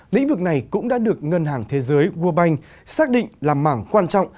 lĩnh vực này cũng đã được ngân hàng thế giới world bank xác định là mảng quan trọng